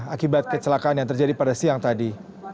akibat kecelakaan yang terjadi pada siang tadi